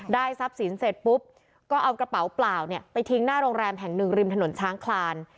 ทรัพย์สินเสร็จปุ๊บก็เอากระเป๋าเปล่าเนี่ยไปทิ้งหน้าโรงแรมแห่งหนึ่งริมถนนช้างคลาน